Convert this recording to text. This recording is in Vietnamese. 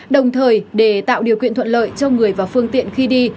đồng thời để tạo điều kiện thuận lợi cho người và phương tiện khi đi